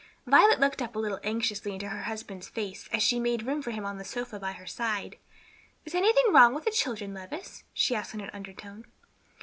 Violet looked up a little anxiously into her husband's face as she made room for him on the sofa by her side. "Is anything wrong with the children, Levis?" she asked in an undertone.